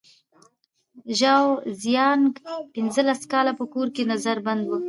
ژاو زیانګ پنځلس کاله په کور کې نظر بند و.